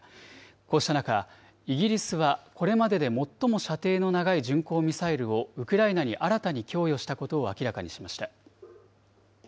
こうした中、イギリスはこれまでで最も射程の長い巡航ミサイルをウクライナに新たに供与したことを明らかにしました。